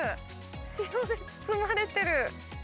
塩で包まれてる。